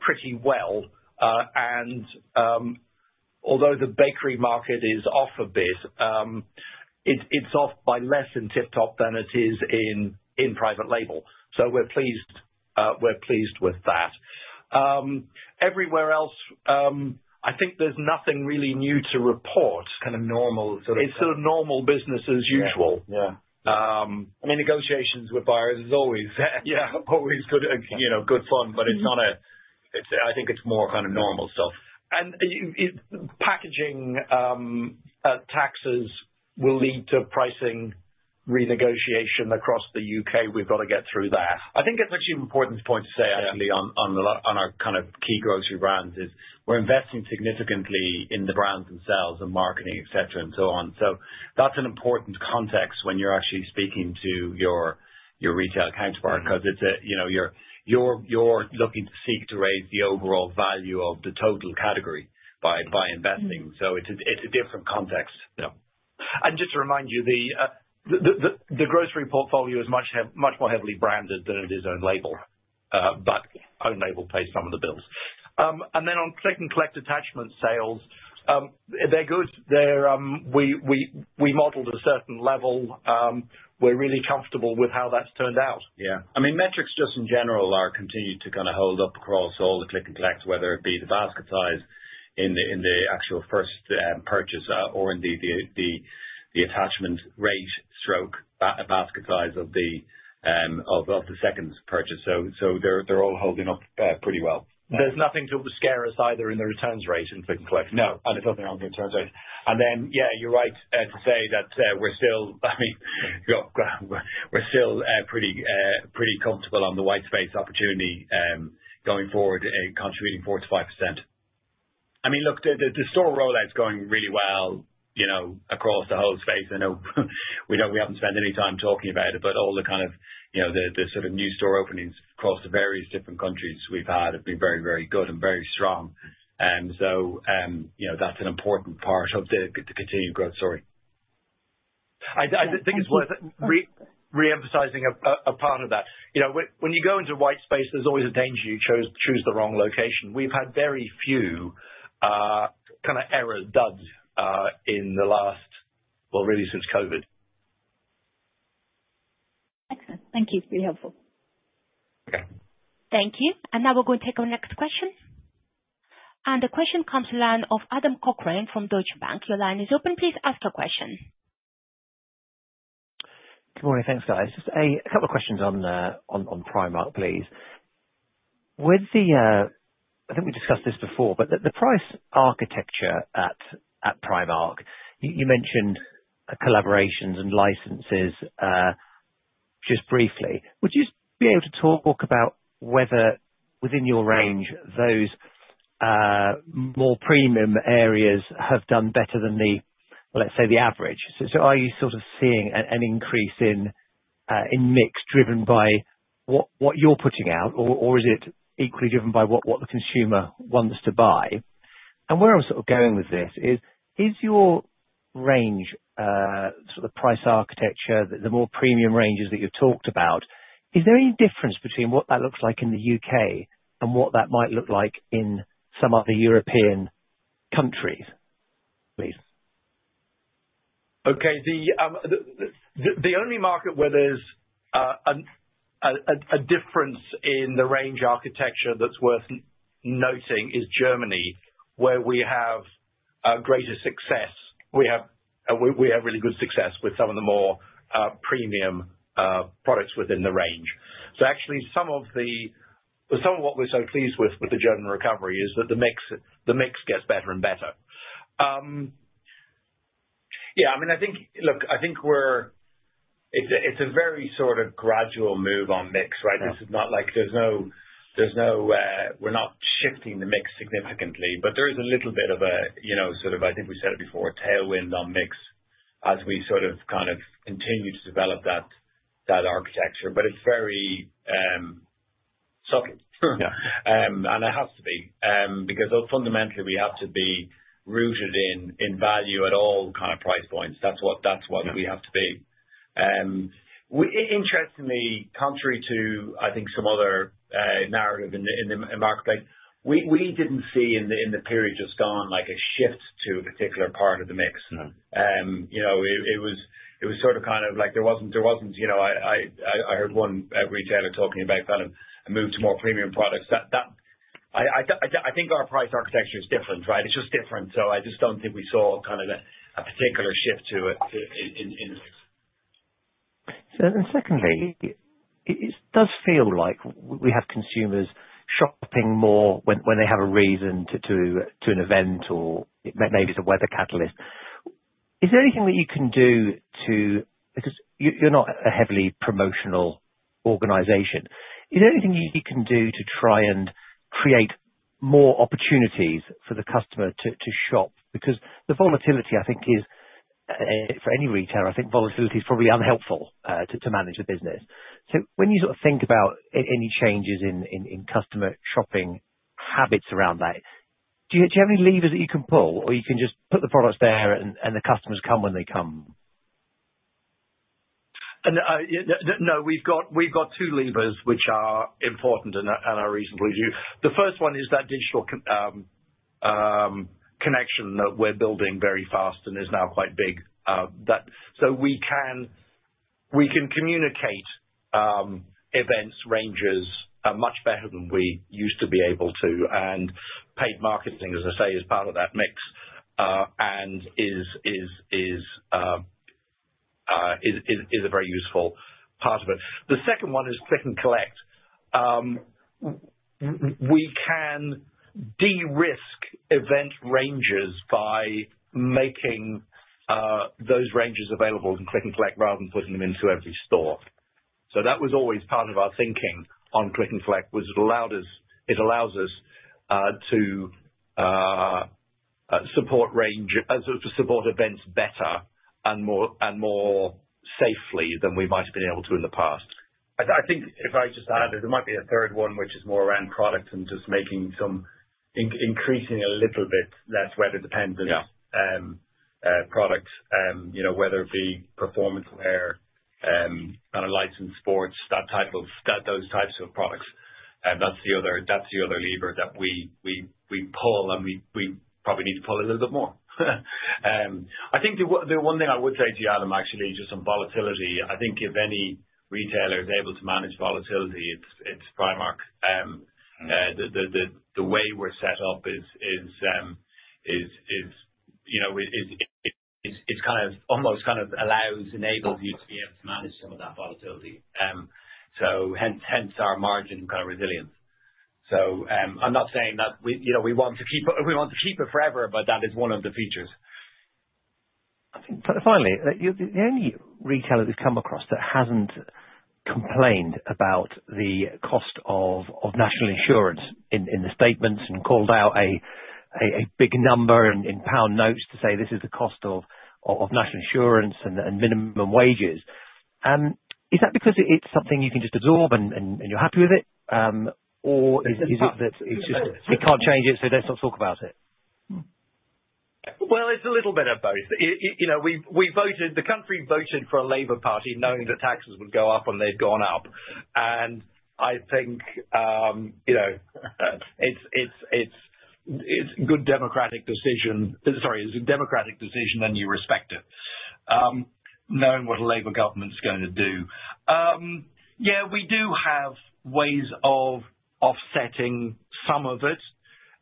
pretty well. And although the bakery market is off a bit, it's off by less in Tip Top than it is in private label. So we're pleased with that. Everywhere else, I think there's nothing really new to report. Kind of normal sort of thing. It's sort of normal business as usual. Yeah. I mean, negotiations with buyers is always good fun, but it's not a, I think it's more kind of normal stuff. And packaging taxes will lead to pricing renegotiation across the U.K. We've got to get through that. I think it's actually an important point to say, actually, on our kind of key grocery brands is we're investing significantly in the brands themselves and marketing, etc., and so on. So that's an important context when you're actually speaking to your retail counterpart because it's a—you're looking to seek to raise the overall value of the total category by investing. So it's a different context. Yeah. And just to remind you, the grocery portfolio is much more heavily branded than it is own label, but own label pays some of the bills. And then on Click & Collect attachment sales, they're good. We modeled a certain level. We're really comfortable with how that's turned out. Yeah. I mean, metrics just in general continue to kind of hold up across all the Click & Collects, whether it be the basket size in the actual first purchase or in the attachment rate / basket size of the second purchase. So they're all holding up pretty well. There's nothing to scare us either in the returns rate in Click & Collect. No. And it's nothing wrong with the returns rate. And then, yeah, you're right to say that we're still—I mean, we're still pretty comfortable on the white space opportunity going forward, contributing 4%-5%. I mean, look, the store rollout's going really well across the whole space. I know we haven't spent any time talking about it, but all the kind of sort of new store openings across the various different countries we've had have been very, very good and very strong. And so that's an important part of the continued growth story. I think it's worth re-emphasizing a part of that. When you go into white space, there's always a danger you choose the wrong location. We've had very few kind of error duds in the last, well, really since COVID. Excellent. Thank you. Really helpful. Okay. Thank you. And now we're going to take our next question. And the question comes from the line of Adam Cochrane from Deutsche Bank. Your line is open. Please ask your question. Good morning. Thanks, guys. Just a couple of questions on Primark, please. I think we discussed this before, but the price architecture at Primark, you mentioned collaborations and licenses just briefly. Would you be able to talk about whether within your range, those more premium areas have done better than the, let's say, the average? So are you sort of seeing an increase in mix driven by what you're putting out, or is it equally driven by what the consumer wants to buy? And where I'm sort of going with this is, is your range, sort of the price architecture, the more premium ranges that you've talked about, is there any difference between what that looks like in the U.K. and what that might look like in some other European countries, please? Okay. The only market where there's a difference in the range architecture that's worth noting is Germany, where we have greater success. We have really good success with some of the more premium products within the range. So actually, some of what we're so pleased with the German recovery is that the mix gets better and better. Yeah. I mean, I think, look, I think it's a very sort of gradual move on mix, right? This is not like there's no, we're not shifting the mix significantly, but there is a little bit of a sort of, I think we said it before, tailwind on mix as we sort of kind of continue to develop that architecture. But it's very subtle, and it has to be because fundamentally, we have to be rooted in value at all kind of price points. That's what we have to be. Interestingly, contrary to, I think, some other narrative in the marketplace, we didn't see in the period just gone like a shift to a particular part of the mix. It was sort of kind of like there wasn't, I heard one retailer talking about kind of a move to more premium products. I think our price architecture is different, right? It's just different. So I just don't think we saw kind of a particular shift to it in the mix. So then, secondly, it does feel like we have consumers shopping more when they have a reason to an event or maybe it's a weather catalyst. Is there anything that you can do to, because you're not a heavily promotional organization, is there anything you can do to try and create more opportunities for the customer to shop? Because the volatility, I think, is for any retailer, I think volatility is probably unhelpful to manage a business. So when you sort of think about any changes in customer shopping habits around that, do you have any levers that you can pull or you can just put the products there and the customers come when they come? No. We've got two levers which are important and are reasonably due. The first one is that digital connection that we're building very fast and is now quite big, so we can communicate events, ranges much better than we used to be able to, and paid marketing, as I say, is part of that mix and is a very useful part of it. The second one is Click & Collect. We can de-risk event ranges by making those ranges available in Click & Collect rather than putting them into every store, so that was always part of our thinking on Click & Collect, it allows us to support events better and more safely than we might have been able to in the past. I think if I just added, there might be a third one which is more around product and just making some increasing a little bit less weather dependent products, whether it be performance wear, kind of licensed sports, that type of those types of products. That's the other lever that we pull and we probably need to pull a little bit more. I think the one thing I would say to you, Adam, actually, just on volatility, I think if any retailer is able to manage volatility, it's Primark. The way we're set up is it kind of almost kind of allows, enables you to be able to manage some of that volatility. So hence our margin kind of resilience. So I'm not saying that we want to keep it forever, but that is one of the features. I think finally, the only retailer that we've come across that hasn't complained about the cost of National Insurance in the statements and called out a big number in pound notes to say, "This is the cost of National Insurance and minimum wages." Is that because it's something you can just absorb and you're happy with it, or is it that it's just, "It can't change it, so let's not talk about it"? It's a little bit of both. We voted. The country voted for a Labour Party knowing that taxes would go up and they'd gone up. I think it's a good democratic decision. Sorry, it's a democratic decision and you respect it knowing what a Labour government's going to do. Yeah, we do have ways of offsetting some of it.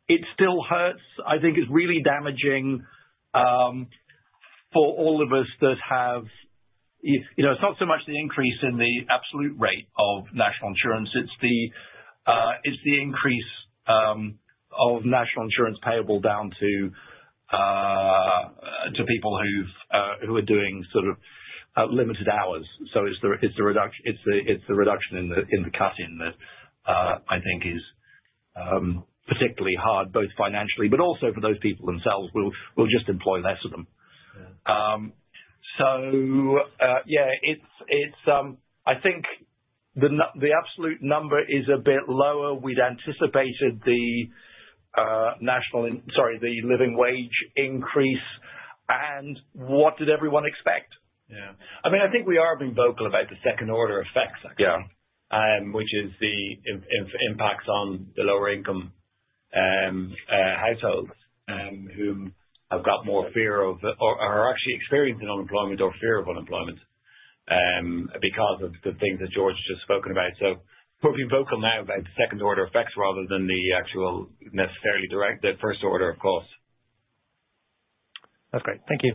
It still hurts. I think it's really damaging for all of us that have. It's not so much the increase in the absolute rate of National Insurance. It's the increase of National Insurance payable down to people who are doing sort of limited hours. It's the reduction in the cutting that I think is particularly hard, both financially, but also for those people themselves who will just employ less of them. Yeah, I think the absolute number is a bit lower. We'd anticipated, sorry, the Living Wage increase. What did everyone expect? Yeah. I mean, I think we are being vocal about the second order effects, actually, which is the impacts on the lower-income households who have got more fear of or are actually experiencing unemployment or fear of unemployment because of the things that George has just spoken about. So we're being vocal now about the second order effects rather than the actual necessarily direct, the first order of cost. That's great. Thank you.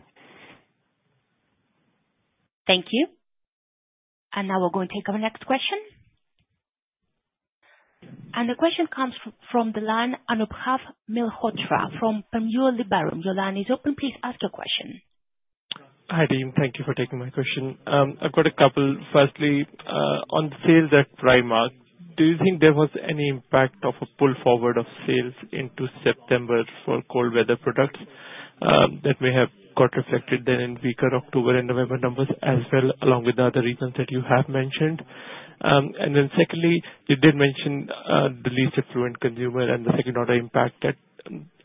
Thank you. And now we're going to take our next question. And the question comes from the line Anubhav Malhotra from Panmure Liberum. Your line is open. Please ask your question. Hi, Team. Thank you for taking my question. I've got a couple. Firstly, on sales at Primark, do you think there was any impact of a pull forward of sales into September for cold weather products that may have got reflected then in weaker October and November numbers as well, along with the other reasons that you have mentioned? And then secondly, you did mention the least affluent consumer and the second-order impact that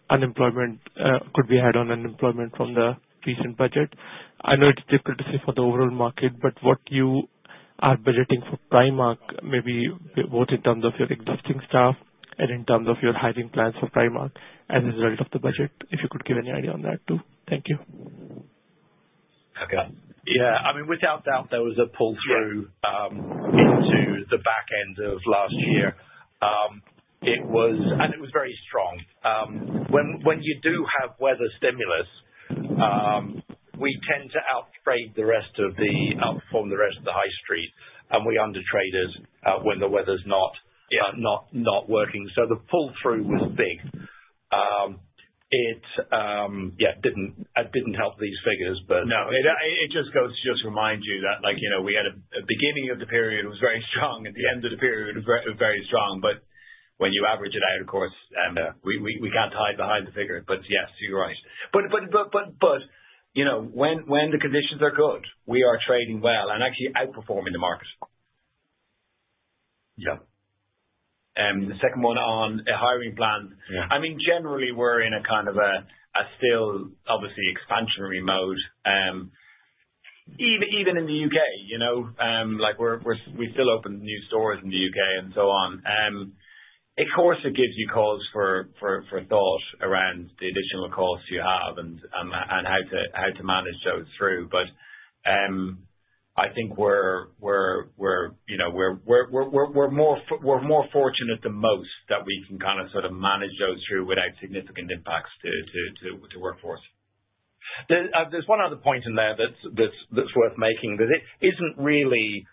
unemployment could have on the least affluent consumer from the recent Budget. I know it's difficult to say for the overall market, but what are you budgeting for Primark, maybe both in terms of your existing staff and in terms of your hiring plans for Primark as a result of the Budget, if you could give any idea on that too. Thank you. Okay. Yeah. I mean, without doubt, there was a pull through into the back end of last year. And it was very strong. When you do have weather stimulus, we tend to outperform the rest of the high street, and we undertrade it when the weather's not working. So the pull through was big. It didn't help these figures, but. No. It just goes to remind you that we had a beginning of the period was very strong and the end of the period was very strong. But when you average it out, of course, we can't hide behind the figure. But yes, you're right. But when the conditions are good, we are trading well and actually outperforming the market. Yeah. And the second one on a hiring plan. I mean, generally, we're in a kind of a still, obviously, expansionary mode. Even in the U.K., we still open new stores in the U.K. and so on. Of course, it gives you cause for thought around the additional costs you have and how to manage those through. But I think we're more fortunate than most that we can kind of sort of manage those through without significant impacts to workforce. There's one other point in there that's worth making that isn't really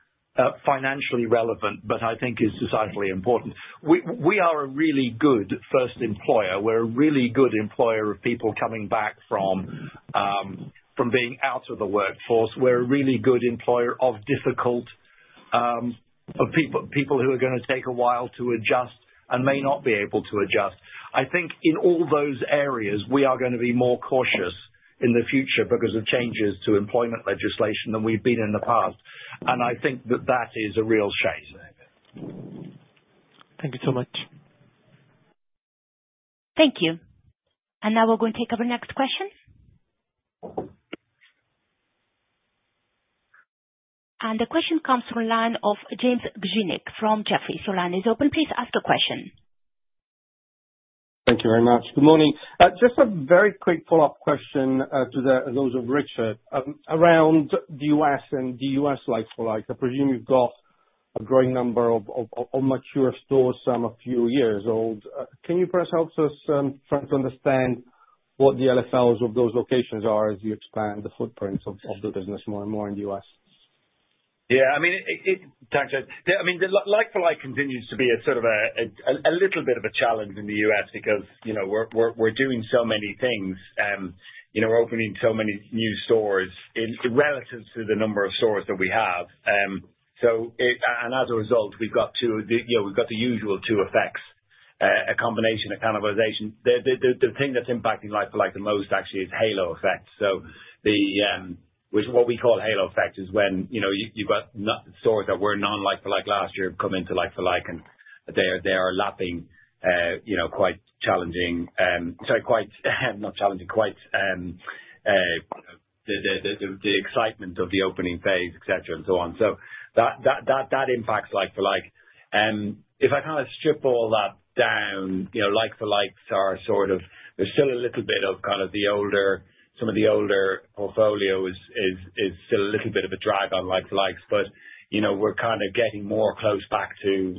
financially relevant, but I think is societally important. We are a really good first employer. We're a really good employer of people coming back from being out of the workforce. We're a really good employer of difficult people who are going to take a while to adjust and may not be able to adjust. I think in all those areas, we are going to be more cautious in the future because of changes to employment legislation than we've been in the past. And I think that that is a real shake. Thank you so much. Thank you. And now we're going to take our next question. And the question comes from the line of James Grzinic from Jefferies. So your line is open. Please ask your question. Thank you very much. Good morning. Just a very quick follow-up question to those of Richard around the U.S. and the U.S. like-for-like. I presume you've got a growing number of mature stores, some a few years old. Can you perhaps help us try to understand what the LFLs of those locations are as you expand the footprint of the business more and more in the U.S.? Yeah. I mean, thanks, James. I mean, the like-for-like continues to be sort of a little bit of a challenge in the U.S. because we're doing so many things. We're opening so many new stores relative to the number of stores that we have. And as a result, we've got the usual two effects: a combination, a cannibalization. The thing that's impacting like-for-like the most, actually, is halo effect. So what we call halo effect is when you've got stores that were non-like-for-like last year come into like-for-like, and they are lapping quite challenging, sorry, quite not challenging, quite the excitement of the opening phase, etc., and so on. So that impacts like-for-like. If I kind of strip all that down, like-for-likes are sort of. There's still a little bit of kind of some of the older portfolios is still a little bit of a drag on like-for-likes, but we're kind of getting more close back to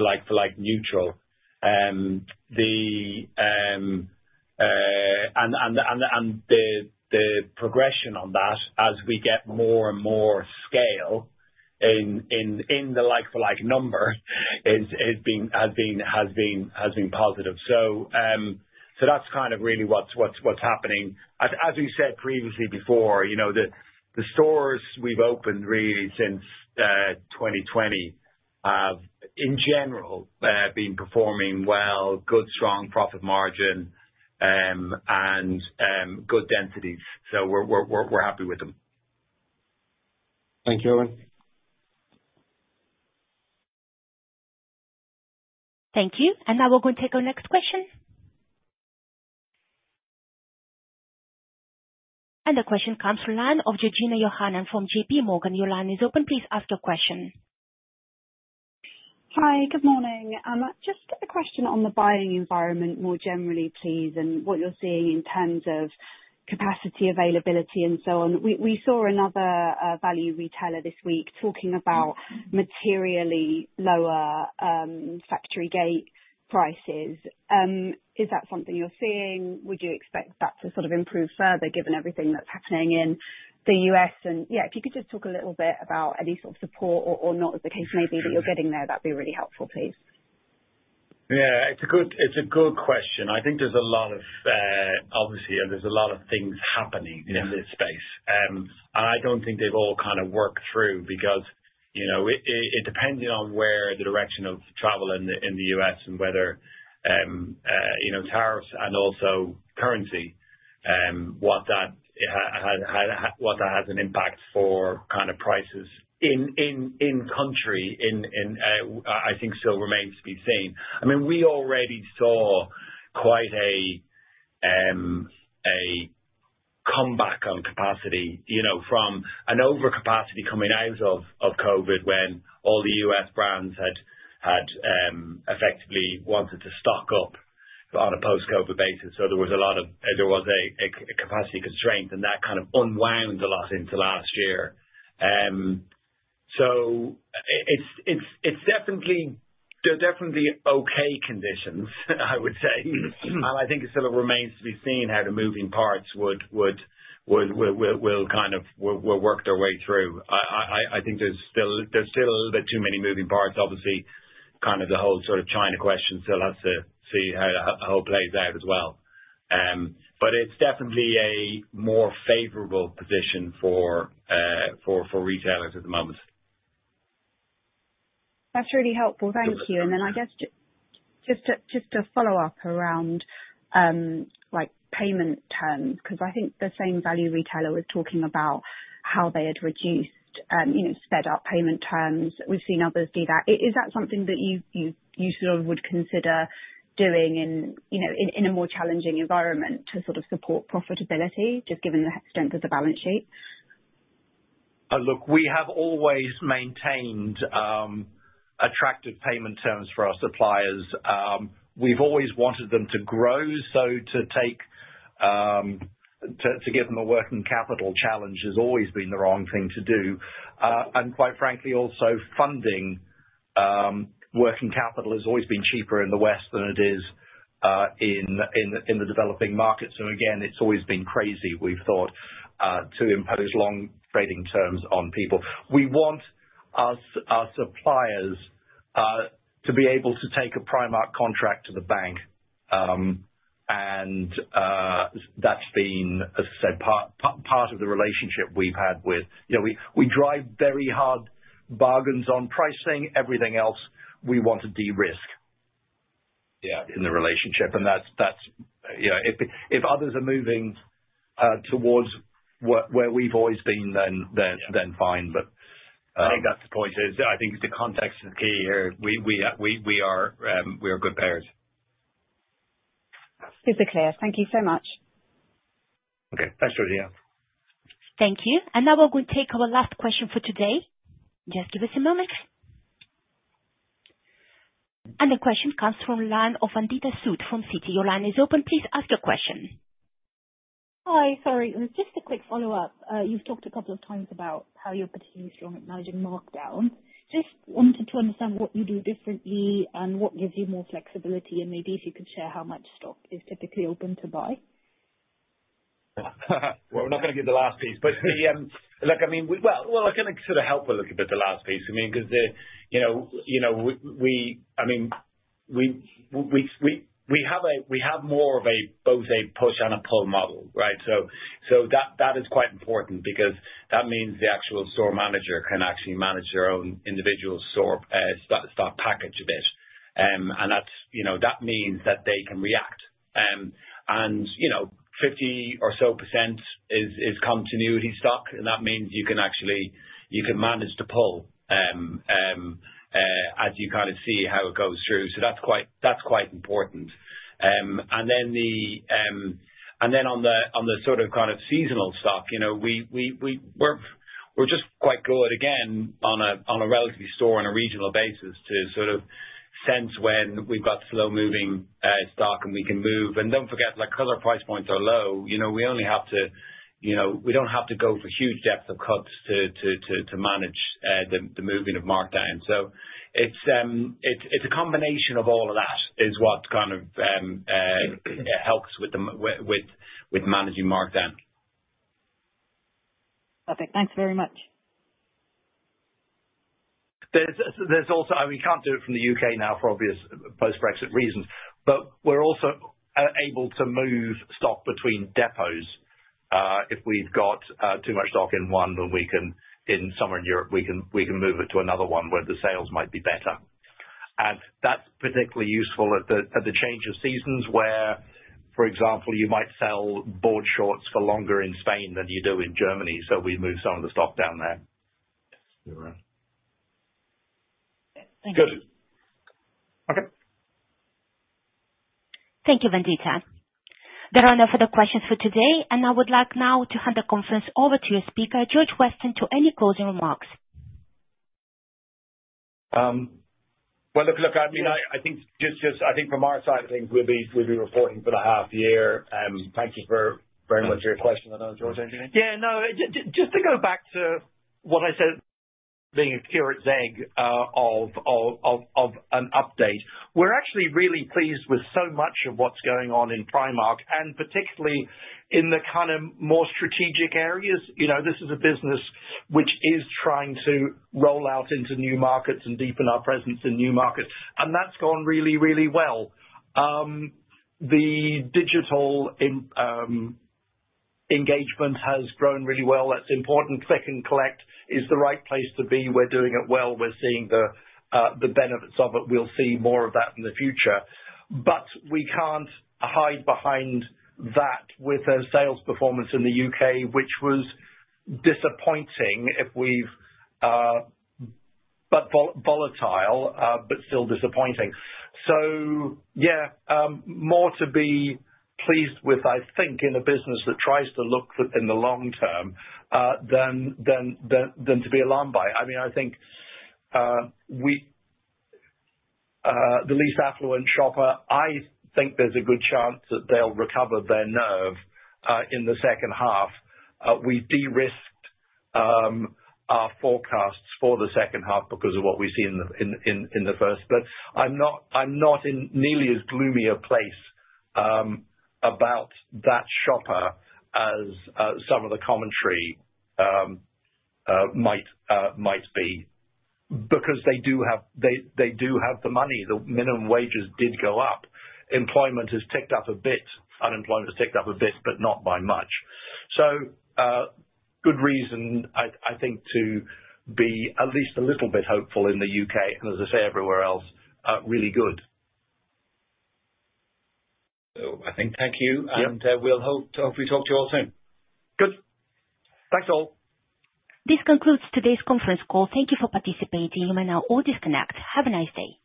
like-for-like neutral. And the progression on that as we get more and more scale in the like-for-like number has been positive. So that's kind of really what's happening. As we said previously before, the stores we've opened really since 2020 have, in general, been performing well: good, strong profit margin, and good densities. So we're happy with them. Thank you, Eoin. Thank you. And now we're going to take our next question. And the question comes from the line of Georgina Johanan from JPMorgan. Your line is open. Please ask your question. Hi. Good morning. Just a question on the buying environment more generally, please, and what you're seeing in terms of capacity, availability, and so on. We saw another value retailer this week talking about materially lower factory gate prices. Is that something you're seeing? Would you expect that to sort of improve further given everything that's happening in the U.S.? And yeah, if you could just talk a little bit about any sort of support or not, if the case may be, that you're getting there, that'd be really helpful, please. Yeah. It's a good question. I think there's a lot of, obviously, there's a lot of things happening in this space. And I don't think they've all kind of worked through because it depends on where the direction of travel in the U.S. and whether tariffs and also currency, what that has an impact for kind of prices in country, I think still remains to be seen. I mean, we already saw quite a comeback on capacity from an overcapacity coming out of COVID when all the U.S. brands had effectively wanted to stock up on a post-COVID basis. So there was a capacity constraint, and that kind of unwound a lot into last year. So they're definitely okay conditions, I would say. And I think it sort of remains to be seen how the moving parts will kind of work their way through. I think there's still a little bit too many moving parts. Obviously, kind of the whole sort of China question still has to see how it all plays out as well, but it's definitely a more favorable position for retailers at the moment. That's really helpful. Thank you. And then I guess just to follow up around payment terms, because I think the same value retailer was talking about how they had reduced sped-up payment terms. We've seen others do that. Is that something that you sort of would consider doing in a more challenging environment to sort of support profitability, just given the extent of the balance sheet? Look, we have always maintained attractive payment terms for our suppliers. We've always wanted them to grow. So to give them a working capital challenge has always been the wrong thing to do. And quite frankly, also funding working capital has always been cheaper in the West than it is in the developing markets. So again, it's always been crazy, we've thought, to impose long trading terms on people. We want our suppliers to be able to take a Primark contract to the bank. And that's been, as I said, part of the relationship we've had with. We drive very hard bargains on pricing. Everything else, we want to de-risk in the relationship. And if others are moving towards where we've always been, then fine. But I think that's the point. I think the context is key here. We are good payers. This is clear. Thank you so much. Okay. Thanks, Georgina. Thank you. Now we're going to take our last question for today. Just give us a moment. The question comes from the line of Vandita Sood from Citi. Your line is open. Please ask your question. Hi. Sorry. Just a quick follow-up. You've talked a couple of times about how you're particularly strong at managing markdowns. Just wanted to understand what you do differently and what gives you more flexibility and maybe if you could share how much stock is typically open to buy. We're not going to give the last piece, but look. I mean, well, I can sort of help a little bit the last piece. I mean, because, I mean, we have more of both a push and a pull model, right? So that is quite important because that means the actual store manager can actually manage their own individual store stock package a bit. And that means that they can react. And 50% or so is continuity stock, and that means you can actually manage the pull as you kind of see how it goes through. So that's quite important. And then on the sort of kind of seasonal stock, we're just quite good, again, on a relative store on a regional basis to sort of sense when we've got slow-moving stock and we can move. Don't forget, because our price points are low, we don't have to go for huge depth of cuts to manage the moving of markdown. So it's a combination of all of that is what kind of helps with managing markdown. Perfect. Thanks very much. There's also, I mean, we can't do it from the U.K. now for obvious post-Brexit reasons, but we're also able to move stock between depots. If we've got too much stock in one than we can sell somewhere in Europe, we can move it to another one where the sales might be better. That's particularly useful at the change of seasons where, for example, you might sell board shorts for longer in Spain than you do in Germany. So we move some of the stock down there. Thank you. Good. Okay. Thank you, Vandita. There are no further questions for today. And I would like now to hand the conference over to your speaker, George Weston, to any closing remarks. Well, look, I mean, I think just I think from our side of things, we'll be reporting for the half year. Thank you very much for your question. I don't know if George forget anything. Yeah. No, just to go back to what I said, being a curate's egg of an update. We're actually really pleased with so much of what's going on in Primark and particularly in the kind of more strategic areas. This is a business which is trying to roll out into new markets and deepen our presence in new markets. And that's gone really, really well. The digital engagement has grown really well. That's important. Click & Collect is the right place to be. We're doing it well. We're seeing the benefits of it. We'll see more of that in the future. But we can't hide behind that with our sales performance in the U.K., which was disappointing, albeit volatile, but still disappointing. So yeah, more to be pleased with, I think, in a business that tries to look in the long term than to be alarmed by it. I mean, I think the least affluent shopper. I think there's a good chance that they'll recover their nerve in the second half. We de-risked our forecasts for the second half because of what we see in the first. But I'm not in nearly as gloomy a place about that shopper as some of the commentary might be because they do have the money. The minimum wages did go up. Employment has ticked up a bit. Unemployment has ticked up a bit, but not by much. So, good reason, I think, to be at least a little bit hopeful in the U.K. and, as I say, everywhere else, really good. So, I think, thank you. And we'll hope we talk to you all soon. Good. Thanks all. This concludes today's conference call. Thank you for participating. You may now all disconnect. Have a nice day.